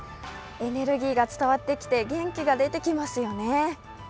エネルギーが伝わってきて元気が出てきますよね。